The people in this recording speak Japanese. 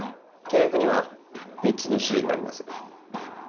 契約には３つの種類があります。